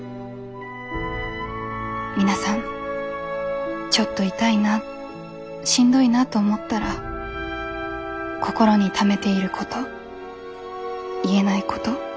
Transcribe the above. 皆さんちょっと痛いなしんどいなと思ったら心にためていること言えないこと少しだけでも外に出してみてください。